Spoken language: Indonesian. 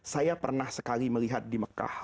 saya pernah sekali melihat di mekah